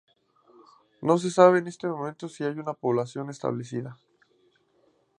No se sabe en este momento si hay una población establecida.